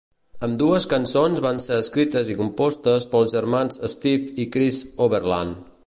Ambdues cançons van ser escrites i compostes pels germans Steve i Chris Overland.